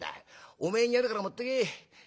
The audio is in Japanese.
お前にやるから持ってけ。